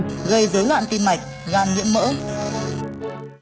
gây dối loạn tim mạch gan nhiễm mỡ